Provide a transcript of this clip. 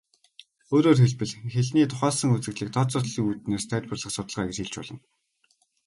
Өөрөөр хэлбэл, хэлний тухайлсан үзэгдлийг тооцооллын үүднээс тайлбарлах судалгаа гэж болно.